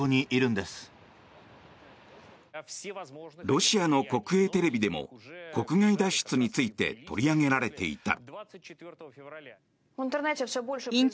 ロシアの国営テレビでも国外脱出について取り上げられていた。